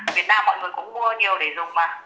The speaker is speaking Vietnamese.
ở việt nam mọi người cũng mua nhiều để dùng mà